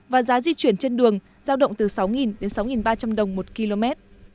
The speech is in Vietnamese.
và giá di chuyển trên đường giao động từ sáu đến sáu ba trăm linh đồng một km